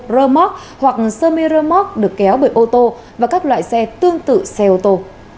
rơ móc hoặc sơ mi rơ móc được kéo bởi ô tô và các loại xe tương tự xe ô tô